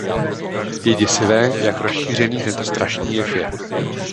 Je děsivé, jak rozšířený tento strašný jev je.